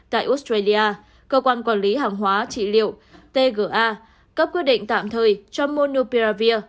tại australia cơ quan quản lý hàng hóa trị liệu tga cấp quyết định tạm thời cho monopiavir